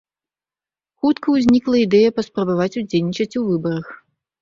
Хутка ўзнікла ідэя паспрабаваць удзельнічаць у выбарах.